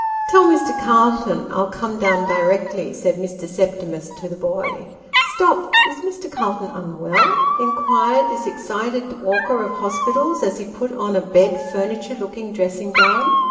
" Tell Mr. Calton I'll come down directly," said Mr. Septimus to Six Months after. 213 N the boy. "Stop is Mr. Calton unwell?" inquired this excited walker of hospitals, as he put on a bod furniture looking dressing gown.